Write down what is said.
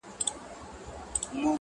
رامعلوم دي د ځنګله واړه کارونه-